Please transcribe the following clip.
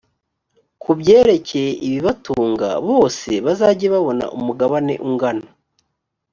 ku byerekeye ibibatunga, bose bazajye babona umugabane ungana,